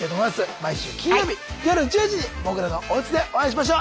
毎週金曜日夜１０時にモグラのおうちでお会いしましょう。